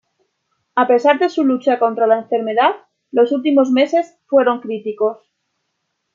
A pesar de su lucha contra la enfermedad los últimos meses, fueron críticos.